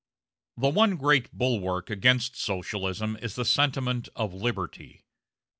The one great bulwark against Socialism is the sentiment of liberty.